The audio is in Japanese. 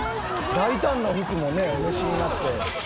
大胆な服もねお召しになって。